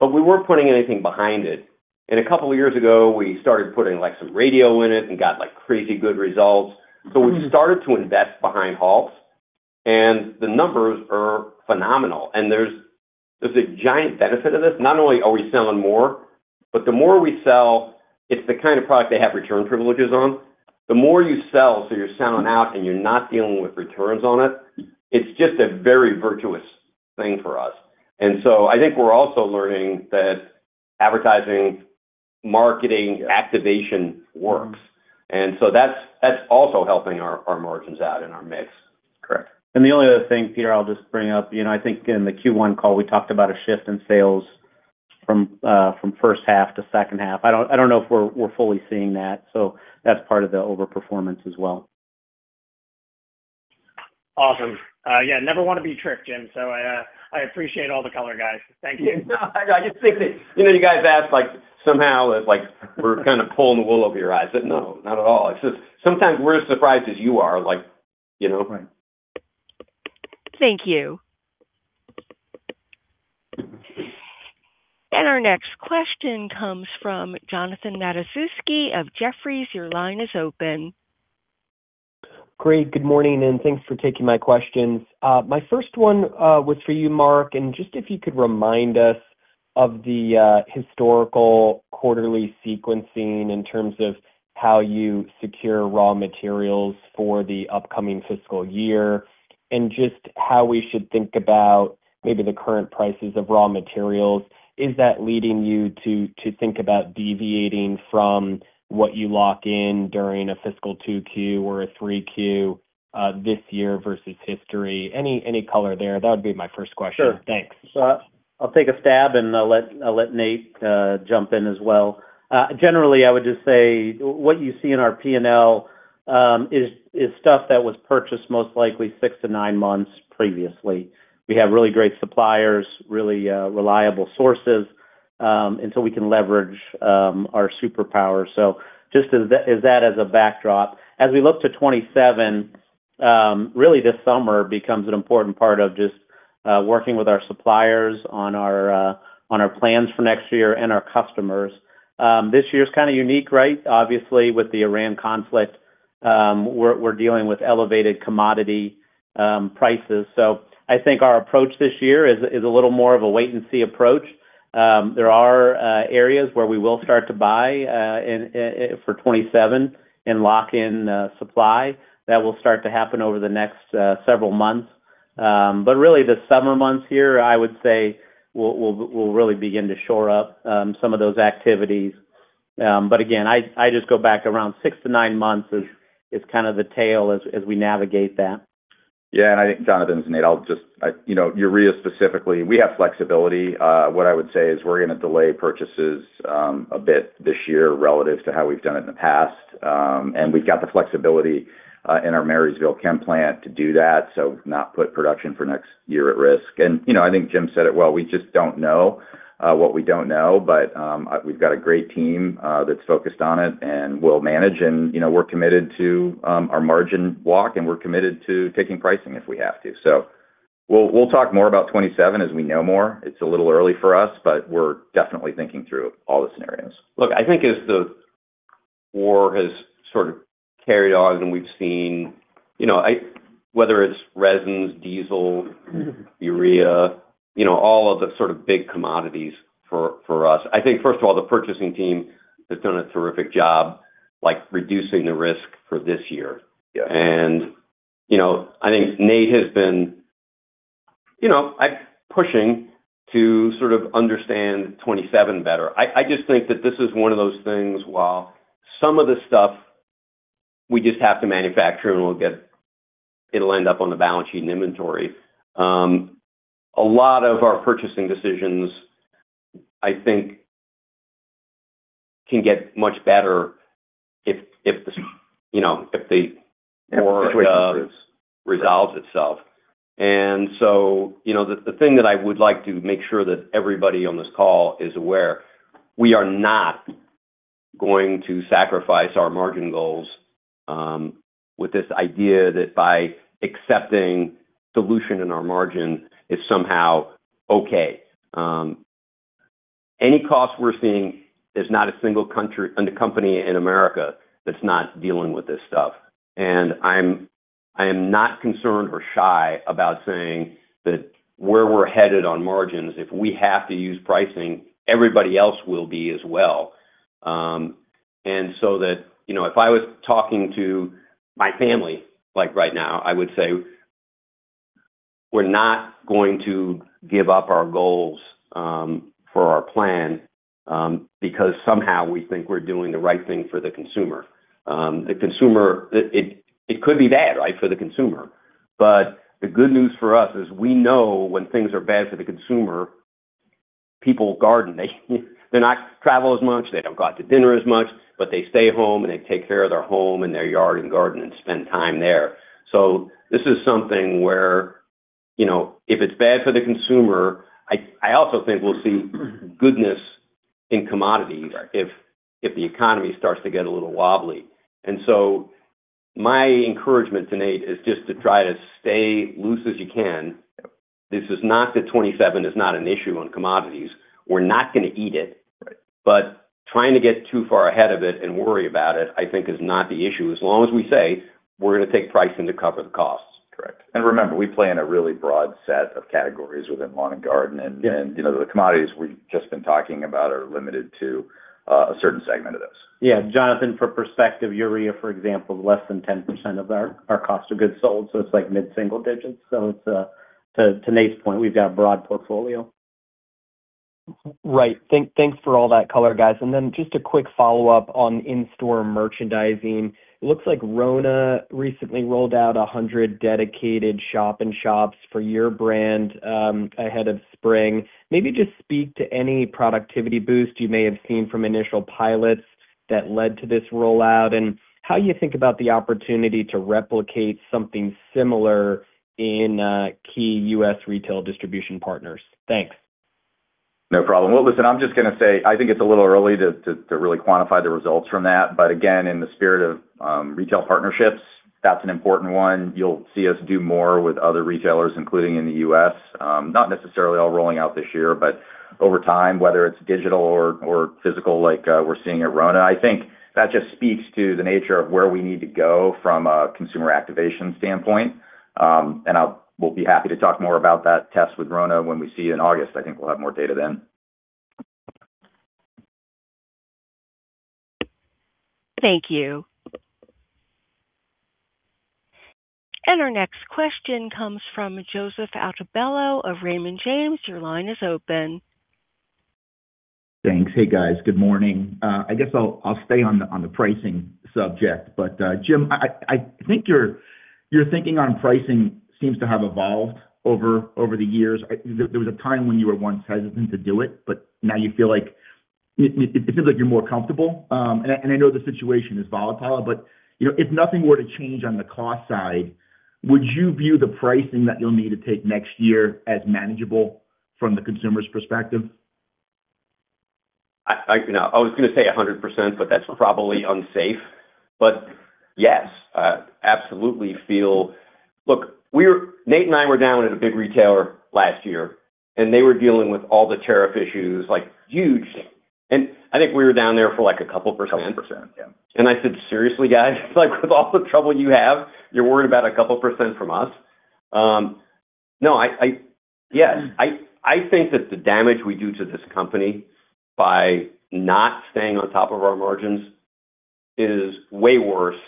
but we weren't putting anything behind it. A couple of years ago, we started putting, like, some radio in it and got, like, crazy good results. We started to invest behind Halts, and the numbers are phenomenal. There's a giant benefit of this. Not only are we selling more, but the more we sell, it's the kind of product they have return privileges on. The more you sell, so you're selling out and you're not dealing with returns on it's just a very virtuous thing for us. I think we're also learning that advertising, marketing activation works. That's also helping our margins out in our mix. Correct. The only other thing, Peter, I'll just bring up, you know, I think in the Q1 call, we talked about a shift in sales from first half to second half. I don't know if we're fully seeing that's part of the over-performance as well. Awesome. Yeah, never wanna be tricked, Jim. I appreciate all the color, guys. Thank you. You know, you guys ask, like, somehow that, like, we're kind of pulling the wool over your eyes. No, not at all. It's just sometimes we're as surprised as you are, like, you know? Right. Thank you. Our next question comes from Jonathan Matuszewski of Jefferies. Your line is open. Great. Good morning, and thanks for taking my questions. My first one was for you, Mark, and just if you could remind us of the historical quarterly sequencing in terms of how you secure raw materials for the upcoming fiscal year and just how we should think about maybe the current prices of raw materials. Is that leading you to think about deviating from what you lock in during a fiscal two Q or a three Q this year versus history? Any, any color there? That would be my first question. Sure. Thanks. I'll take a stab, and I'll let Nate jump in as well. Generally, I would just say what you see in our P&L is stuff that was purchased most likely six to nine months previously. We have really great suppliers, really reliable sources, we can leverage our superpower. Just as that as a backdrop. As we look to 2027, really this summer becomes an important part of just working with our suppliers on our plans for next year and our customers. This year is kind of unique, right? Obviously, with the Iran conflict, we're dealing with elevated commodity prices. I think our approach this year is a little more of a wait and see approach. There are areas where we will start to buy in for 2027 and lock in supply. That will start to happen over the next several months. But really the summer months here, I would say we'll really begin to shore up some of those activities. But again, I just go back around six to nine months is kind of the tail as we navigate that. Yeah. You know, urea specifically, we have flexibility. What I would say is we're gonna delay purchases a bit this year relative to how we've done it in the past. We've got the flexibility in our Marysville chem plant to do that, so not put production for next year at risk. You know, I think Jim said it well, we just don't know what we don't know. We've got a great team that's focused on it and will manage and, you know, we're committed to our margin walk, and we're committed to taking pricing if we have to. We'll talk more about 2027 as we know more. It's a little early for us, but we're definitely thinking through all the scenarios. Look, I think as the war has sort of carried on and we've seen, you know, whether it's resins, diesel, urea, you know, all of the sort of big commodities for us. I think, first of all, the purchasing team has done a terrific job, like reducing the risk for this year. Yeah. You know, I think Nate has been pushing to sort of understand 2027 better. I just think that this is one of those things, while some of the stuff we just have to manufacture and it'll end up on the balance sheet and inventory. A lot of our purchasing decisions, I think can get much better if the war. If the situation improves. resolves itself. You know, the thing that I would like to make sure that everybody on this call is aware, we are not going to sacrifice our margin goals with this idea that by accepting dilution in our margin is somehow okay. Any cost we're seeing is not a single company in America that's not dealing with this stuff. I am not concerned or shy about saying that where we're headed on margins, if we have to use pricing, everybody else will be as well. That, you know, if I was talking to my family, like right now, I would say, We're not going to give up our goals, for our plan, because somehow we think we're doing the right thing for the consumer. The consumer, it could be bad, right, for the consumer. The good news for us is we know when things are bad for the consumer, people garden. They not travel as much, they don't go out to dinner as much, but they stay home, and they take care of their home and their yard and garden and spend time there. This is something where, you know, if it's bad for the consumer, I also think we'll see goodness in commodities. Right If the economy starts to get a little wobbly. My encouragement to Nate is just to try to stay loose as you can. Yep. This is not that 2027 is not an issue on commodities. We're not gonna eat it. Right. Trying to get too far ahead of it and worry about it, I think is not the issue. As long as we say we're gonna take pricing to cover the costs. Correct. Remember, we play in a really broad set of categories within lawn and garden. Yeah. You know, the commodities we've just been talking about are limited to a certain segment of this. Yeah. Jonathan, for perspective, urea, for example, is less than 10% of our cost of goods sold, so it's like mid-single digits. It's to Nate's point, we've got a broad portfolio. Right. Thanks for all that color, guys. Just a quick follow-up on in-store merchandising. It looks like RONA recently rolled out 100 dedicated shop-in-shops for your brand ahead of spring. Maybe just speak to any productivity boost you may have seen from initial pilots that led to this rollout, and how you think about the opportunity to replicate something similar in key U.S. retail distribution partners. Thanks. No problem. Well, listen, I'm just gonna say, I think it's a little early to really quantify the results from that. Again, in the spirit of retail partnerships, that's an important one. You'll see us do more with other retailers, including in the U.S., not necessarily all rolling out this year, but over time, whether it's digital or physical like we're seeing at RONA. I think that just speaks to the nature of where we need to go from a consumer activation standpoint. We'll be happy to talk more about that test with RONA when we see you in August. I think we'll have more data then. Thank you. Our next question comes from Joseph Altobello of Raymond James. Your line is open. Thanks. Hey, guys. Good morning. I guess I'll stay on the pricing subject. Jim, I think your thinking on pricing seems to have evolved over the years. There was a time when you were once hesitant to do it, but now you feel like it feels like you're more comfortable. And I know the situation is volatile, but, you know, if nothing were to change on the cost side, would you view the pricing that you'll need to take next year as manageable from the consumer's perspective? I... You know, I was gonna say 100%, that's probably unsafe. Yes, absolutely feel. Look, Nate and I were down at a big retailer last year. They were dealing with all the tariff issues, like huge. I think we were down there for, like, a couple percent. A couple percent, yeah. I said, Seriously, guys? Like, with all the trouble you have, you're worried about a couple percent from us? No, Yes. I think that the damage we do to this company by not staying on top of our margins is way worse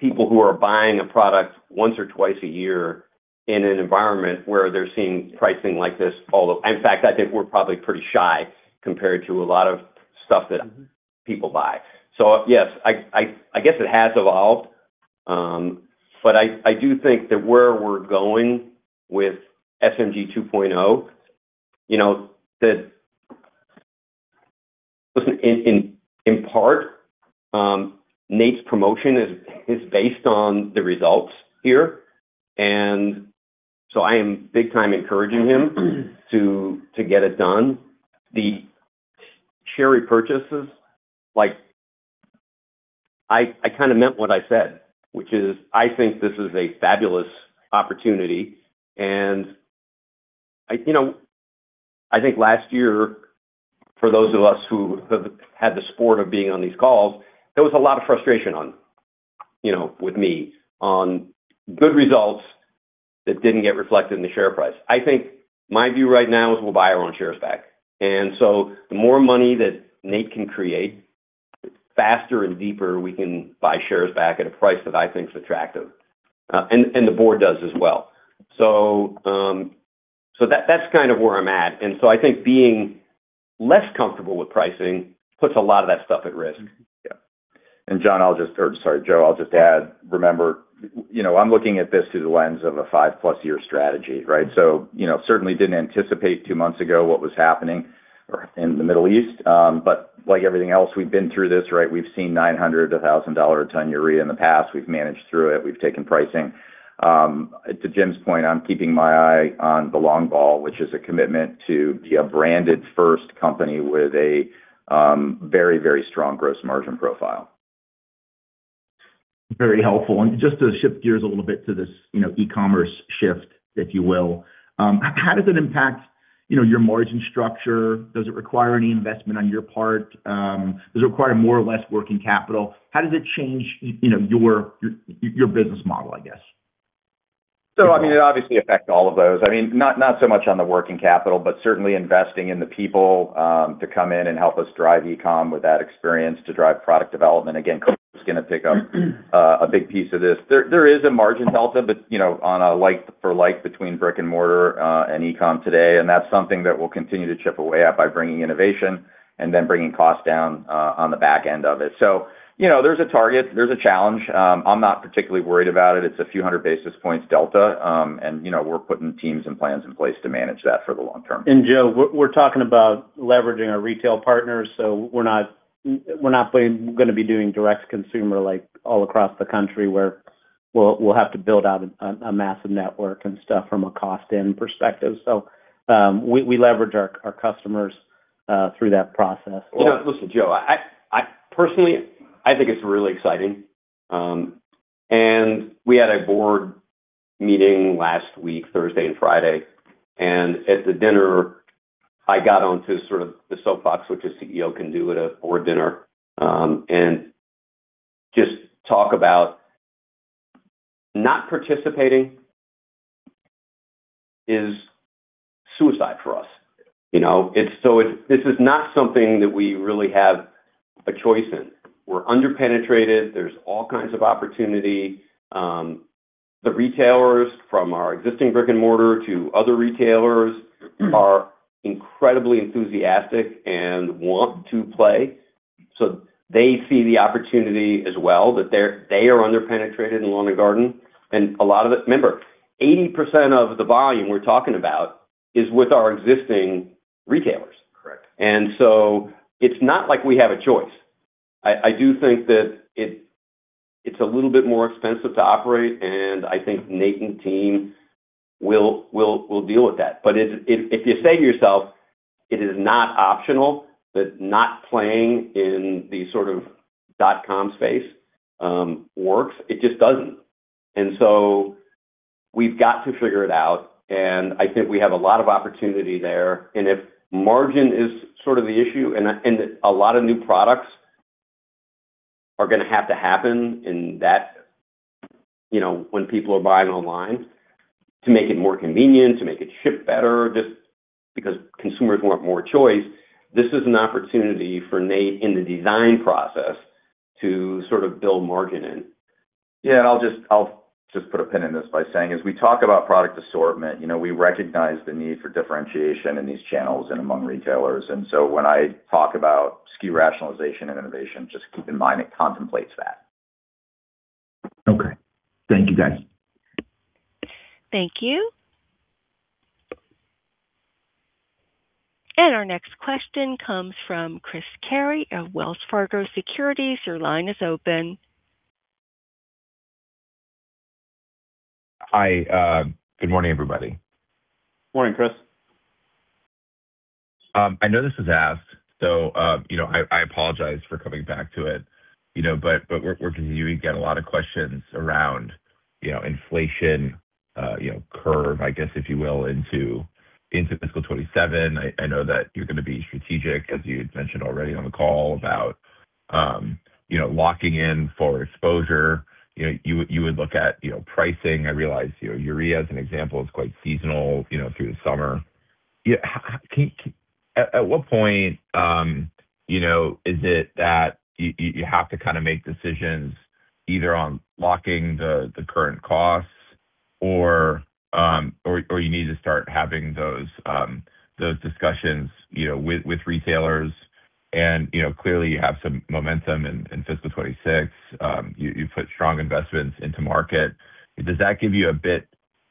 than people who are buying a product once or twice a year in an environment where they're seeing pricing like this all the. In fact, I think we're probably pretty shy compared to a lot of stuff that people buy. Yes, I guess it has evolved. I do think that where we're going with SMG 2.0, you know, that. Listen, in part, Nate's promotion is based on the results here. I am big-time encouraging him to get it done. The share repurchases, like, I kind of meant what I said, which is I think this is a fabulous opportunity. I, you know, I think last year, for those of us who have had the sport of being on these calls, there was a lot of frustration with me on good results that didn't get reflected in the share price. I think my view right now is we'll buy our own shares back. The more money that Nate can create, faster and deeper we can buy shares back at a price that I think is attractive. And the board does as well. So that's kind of where I'm at. I think being less comfortable with pricing puts a lot of that stuff at risk. Yeah. Joe, I'll just add, remember, you know, I'm looking at this through the lens of a five plus year strategy, right? You know, certainly didn't anticipate two months ago what was happening in the Middle East. Like everything else, we've been through this, right? We've seen $900-$1,000 a ton urea in the past. We've managed through it. We've taken pricing. To Jim's point, I'm keeping my eye on the long ball, which is a commitment to be a branded first company with a very, very strong gross margin profile. Very helpful. Just to shift gears a little bit to this, you know, e-commerce shift, if you will. How does it impact, you know, your margin structure? Does it require any investment on your part? Does it require more or less working capital? How does it change, you know, your business model, I guess? I mean, it obviously affect all of those. I mean, not so much on the working capital, but certainly investing in the people to come in and help us drive e-com with that experience to drive product development. Again, Coco's gonna pick up a big piece of this. There is a margin delta, but, you know, on a like for like between brick-and-mortar and e-com today, and that's something that we'll continue to chip away at by bringing innovation and then bringing costs down on the back end of it. You know, there's a target, there's a challenge. I'm not particularly worried about it. It's a few hundred basis points delta. You know, we're putting teams and plans in place to manage that for the long term. Joe, we're talking about leveraging our retail partners, we're not going to be doing direct to consumer, like, all across the country where we'll have to build out a massive network and stuff from a cost end perspective. We leverage our customers through that process. You know, listen, Joe, I personally, I think it's really exciting. We had a board meeting last week, Thursday and Friday. At the dinner, I got onto sort of the soapbox, which a CEO can do at a board dinner, and just talk about not participating is suicide for us. You know? This is not something that we really have a choice in. We're under-penetrated. There's all kinds of opportunity. The retailers from our existing brick-and-mortar to other retailers are incredibly enthusiastic and want to play. They see the opportunity as well, but they are under-penetrated in lawn and garden. Remember, 80% of the volume we're talking about is with our existing retailers. Correct. It's not like we have a choice. I do think that it's a little bit more expensive to operate, and I think Nate and team will deal with that. If you say to yourself it is not optional, that not playing in the sort of dot-com space works, it just doesn't. We've got to figure it out, and I think we have a lot of opportunity there. If margin is sort of the issue and a lot of new products are gonna have to happen in that, you know, when people are buying online to make it more convenient, to make it ship better, just because consumers want more choice, this is an opportunity for Nate in the design process to sort of build margin in. Yeah. I'll just put a pin in this by saying, as we talk about product assortment, you know, we recognize the need for differentiation in these channels and among retailers. When I talk about SKU rationalization and innovation, just keep in mind it contemplates that. Okay. Thank you, guys. Thank you. Our next question comes from Chris Carey of Wells Fargo Securities, your line is open. Hi. good morning, everybody. Morning, Chris. I know this was asked, so, you know, I apologize for coming back to it, you know, but we're continuing to get a lot of questions around, you know, inflation, you know, curve, I guess, if you will, into fiscal 2027. I know that you're gonna be strategic, as you had mentioned already on the call about, you know, locking in for exposure. You would look at, you know, pricing. I realize, you know, urea as an example is quite seasonal, you know, through the summer. Yeah. At what point, you know, is it that you have to kinda make decisions either on locking the current costs or you need to start having those discussions, you know, with retailers? You know, clearly you have some momentum in fiscal 2026. You put strong investments into market. Does that give you a bit,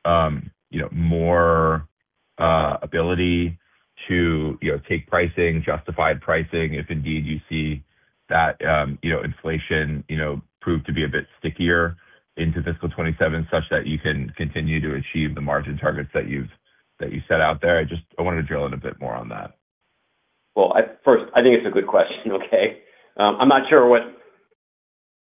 you know, more ability to, you know, take pricing, justified pricing, if indeed you see that, you know, inflation, you know, prove to be a bit stickier into fiscal 2027 such that you can continue to achieve the margin targets that you've set out there? I just wanted to drill in a bit more on that. Well, I first, I think it's a good question, okay? I'm not sure what,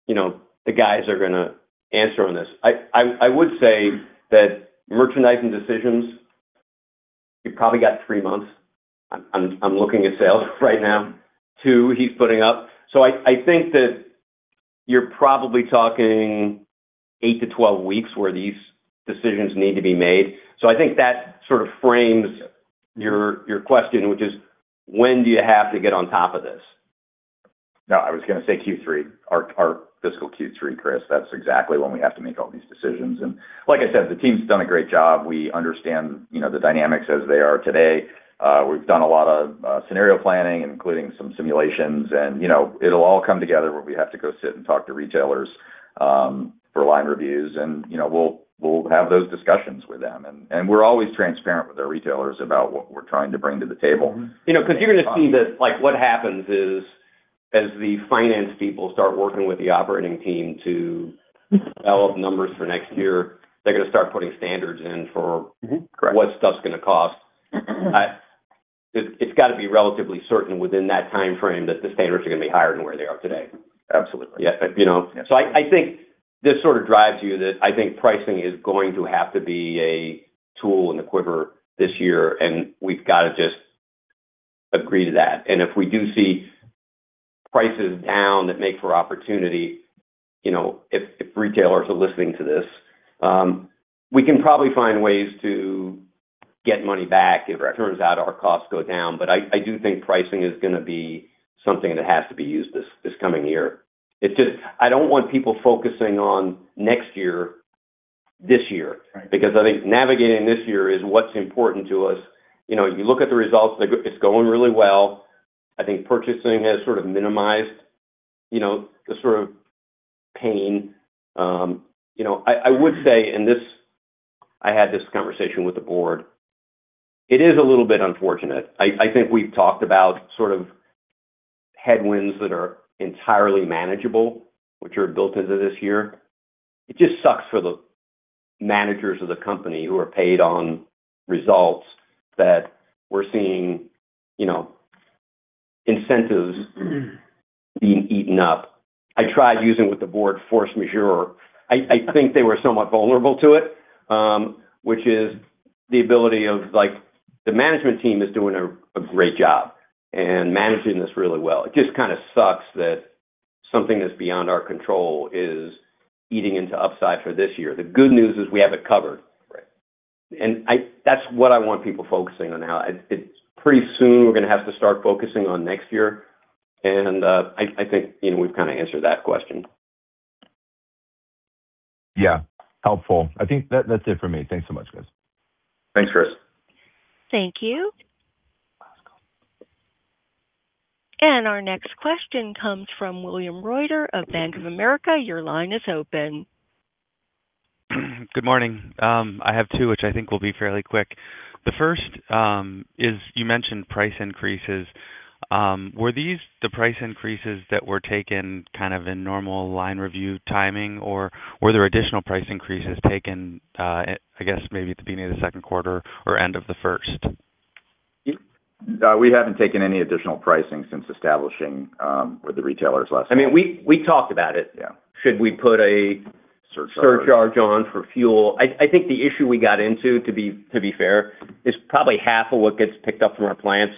you know, the guys are gonna answer on this. I would say that merchandising decisions, you've probably got three months. I'm looking at sales right now, too, he's putting up. I think that you're probably talking eight to 12 weeks where these decisions need to be made. I think that sort of frames your question, which is, when do you have to get on top of this? No, I was gonna say Q3, our fiscal Q3, Chris. That's exactly when we have to make all these decisions. Like I said, the team's done a great job. We understand, you know, the dynamics as they are today. We've done a lot of scenario planning, including some simulations and, you know, it'll all come together where we have to go sit and talk to retailers for line reviews and, you know, we'll have those discussions with them. We're always transparent with our retailers about what we're trying to bring to the table. You know, 'cause you're gonna see that, like, what happens is as the finance people start working with the operating team to develop numbers for next year, they're gonna start putting standards in for- Mm-hmm. Correct.... what stuff's gonna cost. It's gotta be relatively certain within that timeframe that the standards are gonna be higher than where they are today. Absolutely. You know? I think this sort of drives you that I think pricing is going to have to be a tool in the quiver this year, and we've gotta just agree to that. If we do see prices down that make for opportunity, you know, if retailers are listening to this, we can probably find ways to get money back if it turns out our costs go down. I do think pricing is gonna be something that has to be used this coming year. I don't want people focusing on next year this year. Right. I think navigating this year is what's important to us. You know, you look at the results, it's going really well. I think purchasing has sort of minimized, you know, the sort of pain. You know, I would say, I had this conversation with the board. It is a little bit unfortunate. I think we've talked about sort of headwinds that are entirely manageable, which are built into this year. It just sucks for the managers of the company who are paid on results that we're seeing, you know, incentives being eaten up. I tried using with the board force majeure. I think they were somewhat vulnerable to it, which is the ability of, like, the management team is doing a great job and managing this really well. It just kind of sucks that something that's beyond our control is eating into upside for this year. The good news is we have it covered. That's what I want people focusing on now. It's pretty soon we're going to have to start focusing on next year, I think, you know, we've kind of answered that question. Yeah. Helpful. I think that's it for me. Thanks so much, guys. Thanks, Chris. Thank you. Our next question comes from William Reuter of Bank of America. Your line is open. Good morning. I have two, which I think will be fairly quick. The first is you mentioned price increases. Were these the price increases that were taken kind of in normal line review timing, or were there additional price increases taken, I guess maybe at the beginning of the second quarter or end of the first? We haven't taken any additional pricing since establishing with the retailers last time. I mean, we talked about it. Yeah. Should we put a surcharge on for fuel. I think the issue we got into, to be fair, is probably half of what gets picked up from our plants,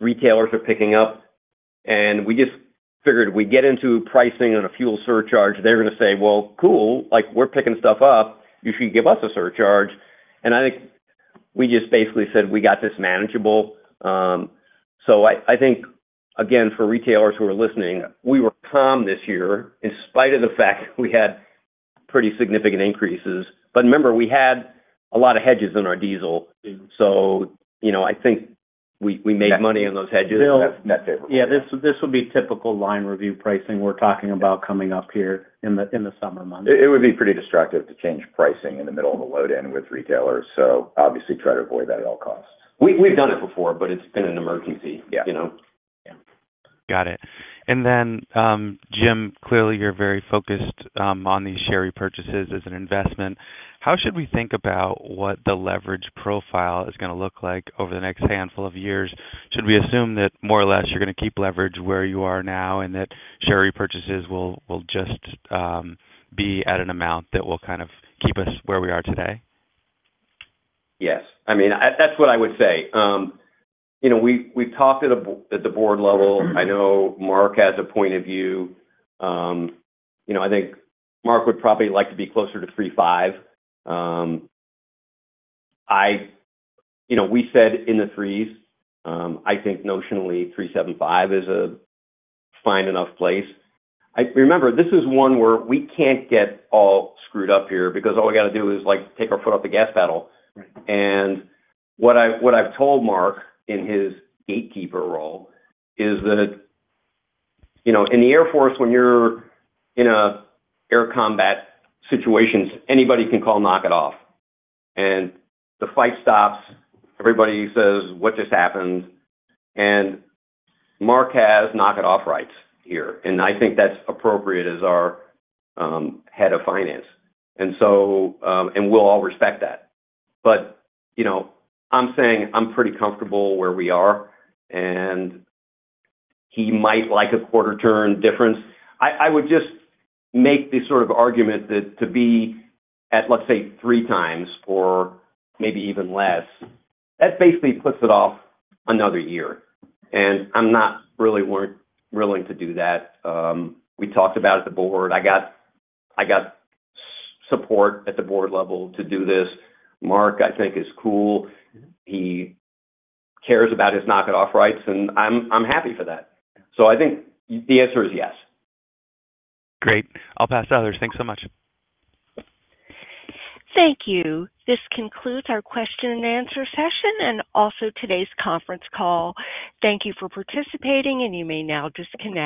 retailers are picking up. We just figured we get into pricing on a fuel surcharge, they're gonna say, Well, cool, like, we're picking stuff up, you should give us a surcharge. I think we just basically said we got this manageable. I think, again, for retailers who are listening, we were calm this year in spite of the fact we had pretty significant increases. Remember, we had a lot of hedges in our diesel. You know, I think we made money on those hedges. That's net favorable. Yeah. This would be typical line review pricing we're talking about coming up here in the summer months. It would be pretty destructive to change pricing in the middle of a load-in with retailers, so obviously try to avoid that at all costs. We've done it before, but it's been an emergency. Yeah. You know? Yeah. Got it. Jim, clearly you're very focused on these share repurchases as an investment. How should we think about what the leverage profile is gonna look like over the next handful of years? Should we assume that more or less you're gonna keep leverage where you are now and that share repurchases will just be at an amount that will kind of keep us where we are today? Yes. I mean, that's what I would say. You know, we've talked at the board level. I know Mark has a point of view. You know, I think Mark would probably like to be closer to 3.5. You know, we said in the threes. I think notionally 3.75 is a fine enough place. Remember, this is one where we can't get all screwed up here because all we gotta do is, like, take our foot off the gas pedal. Right. What I've told Mark in his gatekeeper role is that, you know, in the United States Air Force, when you're in a air combat situations, anybody can call knock it off, and the fight stops. Everybody says, What just happened? Mark has knock it off rights here, and I think that's appropriate as our Head of Finance. We'll all respect that. You know, I'm saying I'm pretty comfortable where we are, and he might like a quarter turn difference. I would just make the sort of argument that to be at, let's say, 3x or maybe even less, that basically puts it off another year, and I'm not really willing to do that. We talked about it at the board. I got support at the board level to do this. Mark, I think, is cool. He cares about his knock it off rights, and I'm happy for that. I think the answer is yes. Great. I'll pass to others. Thanks so much. Thank you. This concludes our question and answer session and also today's conference call. Thank you for participating, and you may now disconnect.